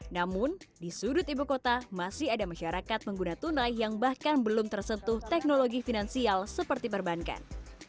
namun di sudut ibu kota masih ada masyarakat pengguna tunai yang bahkan belum tersentuh teknologi finansial seperti perbankan